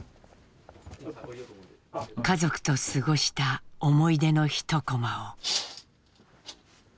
家族と過ごした思い出のひとコマを。